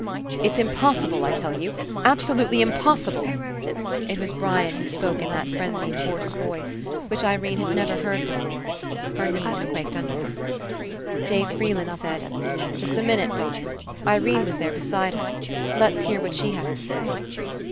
"It's impossible, I tell you I Absolutely impossible !" It was Brian who spoke in that frenzied hoarse voice, which Irene had never heard be fore. Her knees quaked under her. Dave Freeland said: "J^st a minute, Brian. Irene was there beside her. Let's hear what she has to say."